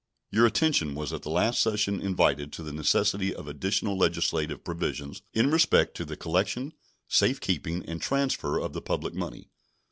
Your attention was at the last session invited to the necessity of additional legislative provisions in respect to the collection, safe keeping, and transfer of the public money.